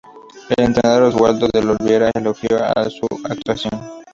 El entrenador Oswaldo de Oliveira elogió su actuación.